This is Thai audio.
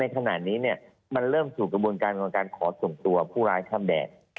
ในขณะนี้มันเริ่มถูกกระบวนการขอส่งตัวผู้ร้ายข้ามแดด